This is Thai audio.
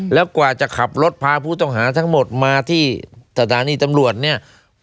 แล้วกว่าจะขับรถพาผู้ต้องหาทั้งหมดมาที่สถานีตำรวจเนี่ย